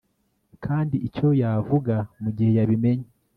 kandi icyo yavuga mugihe yabimenye